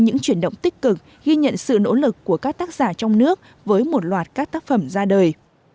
những chuyển động tích cực ghi nhận sự nỗ lực của các tác giả trong nước với một loạt các tác phẩm ra đời